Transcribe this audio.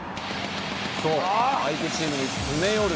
「そう相手チームに詰め寄るんです」